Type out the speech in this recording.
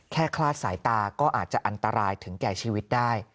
คลาดสายตาก็อาจจะอันตรายถึงแก่ชีวิตได้